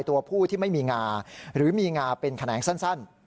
ตัวผู้ที่ไม่มีงาหรือมีงาเป็นแขนงสั้น